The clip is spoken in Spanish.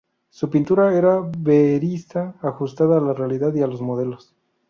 Su pintura era verista, ajustada a la realidad y a los modelos.